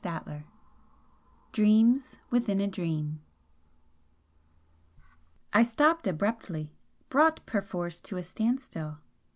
XVIII DREAMS WITHIN A DREAM I stopped abruptly, brought perforce to a standstill.